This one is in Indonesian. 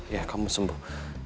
ya kamu sembuh